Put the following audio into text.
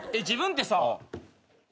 自分ってさ。